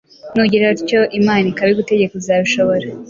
Nugira utyo, Imana ikabigutegeka, uzabishobora,